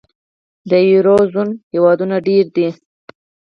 د یورو زون هېوادونه ډېر دي.